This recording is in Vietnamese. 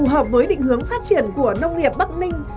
hợp với định hướng phát triển của nông nghiệp bắc ninh